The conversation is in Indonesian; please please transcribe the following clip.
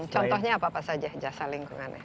contohnya apa saja jasa lingkungan